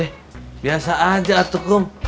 eh biasa aja tukum